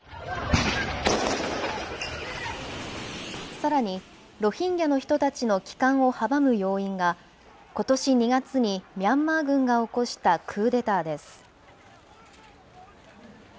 さらに、ロヒンギャの人たちの帰還を阻む要因が、ことし２月に、ミャンマー軍が起こしたクーデターです。